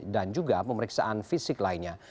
dan juga pemeriksaan fisik lainnya